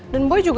dan boy juga